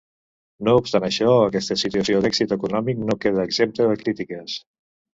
No obstant això aquesta situació d'èxit econòmic no quedà exempta de crítiques.